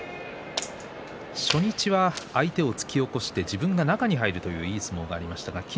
初日は相手を突き起こして自分が中に入るという相撲でした。